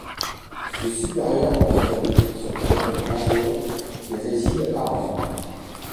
Le supérieur porte le titre de recteur majeur et réside à Rome.